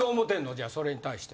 じゃあそれに対して。